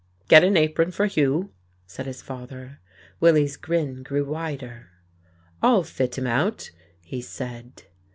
"Get an apron for Hugh," said his father. Willie's grin grew wider. "I'll fit him out," he said.